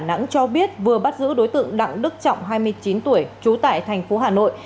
đà nẵng cho biết vừa bắt giữ đối tượng đặng đức trọng hai mươi chín tuổi trú tại thành phố hà nội